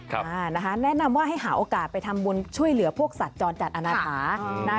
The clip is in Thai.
อ่านะคะแนะนำว่าให้หาโอกาสไปทำบุญช่วยเหลือพวกสัตว์จรจัดอนาถานะ